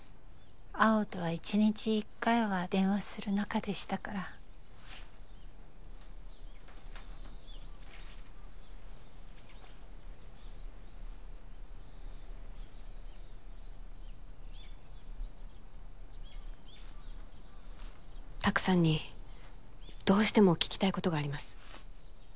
蒼生とは１日１回は電話する仲でしたから拓さんにどうしても聞きたいことがあります